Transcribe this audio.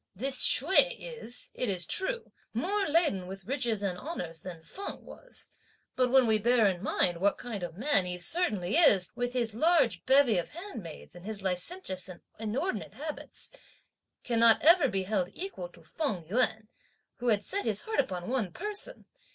"This Hsüeh is, it is true, more laden with riches and honours than Feng was, but when we bear in mind what kind of man he is he certainly, with his large bevy of handmaids, and his licentious and inordinate habits, cannot ever be held equal to Feng Yüan, who had set his heart upon one person!